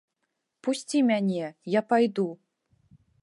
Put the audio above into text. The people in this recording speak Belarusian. Пусці мяне, я пайду.